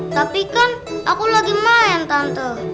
tapi kan aku lagi main tante